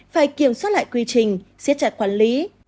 phải kiểm soát lại quy trình siết chặt quản lý